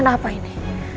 buah apa ini